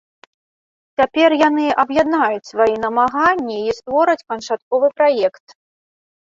Цяпер яны аб'яднаюць свае намаганні і створаць канчатковы праект.